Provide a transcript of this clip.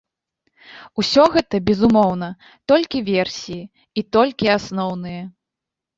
Усё гэта, безумоўна, толькі версіі, і толькі асноўныя.